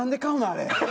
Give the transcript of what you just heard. あれ。